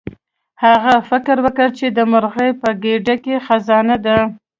هغه فکر وکړ چې د مرغۍ په ګیډه کې خزانه ده.